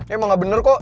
emang gak bener kok